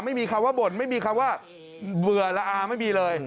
ไม่มีคำว่าบ่นไม่มีคำว่าเบื่อละอาไม่มีเลย